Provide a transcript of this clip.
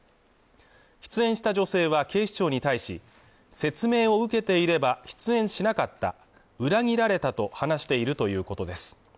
出演した女性は警視庁に対し説明を受けていれば出演しなかった裏切られたと話しているということです